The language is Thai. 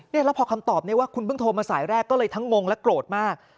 แล้วพอคำตอบนี้ว่าคุณเพิ่งโทรมาสายแรกก็เลยทั้งงงและโกรธมาก